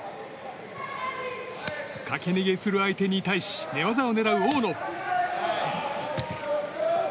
かけ逃げする相手に対し寝技を狙う大野。